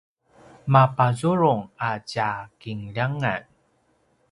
mapazurung a tja kinljangan